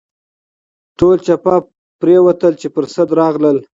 ټول چپه پر ووتل چې پر سد راغلل.